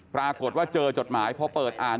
ปรากฏว่าเจอจดหมายพอเปิดอ่าน